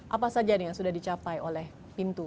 apa saja nih yang sudah dicapai oleh pintu